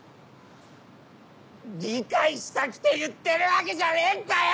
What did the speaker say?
理解してたくて言ってるわけじゃねえんだよ！